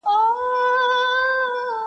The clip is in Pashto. o بیا مي ګوم ظالم ارمان په کاڼو ولي,